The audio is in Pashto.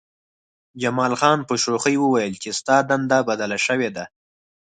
جمال خان په شوخۍ وویل چې ستا دنده بدله شوې ده